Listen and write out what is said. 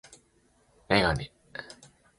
メガネ